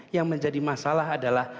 yang menjadi masalah adalah